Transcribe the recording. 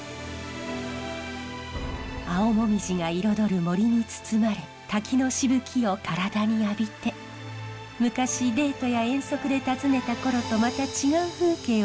青紅葉が彩る森に包まれ滝のしぶきを体に浴びて昔デートや遠足で訪ねた頃とまた違う風景を見せてくれます。